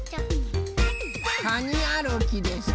かにあるきです。